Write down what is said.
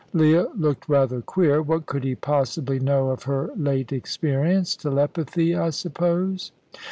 Leah looked rather queer. What could he possibly know of her late experience? "Telepathy, I suppose."